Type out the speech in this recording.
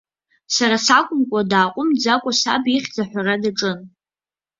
Сара сакәымкәа, дааҟәымҵӡакәа саб ихьӡ аҳәара даҿын.